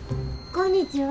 こんにちは。